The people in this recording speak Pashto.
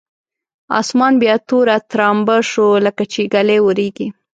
اسمان بیا توره ترامبه شو لکچې ږلۍ اورېږي.